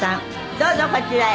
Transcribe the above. どうぞこちらへ。